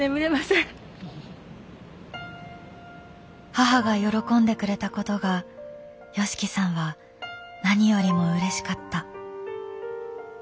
母が喜んでくれたことがＹＯＳＨＩＫＩさんは何よりもうれしかった。